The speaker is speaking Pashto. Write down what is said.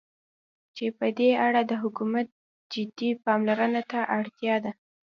چې په دې اړه د حكومت جدي پاملرنې ته اړتيا ده.